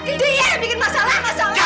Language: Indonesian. dia yang bikin masalah